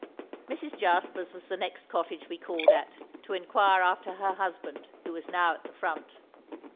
Mrs. Jasper's was the next cottage we called at, to inquire after her husband, who was now at the front.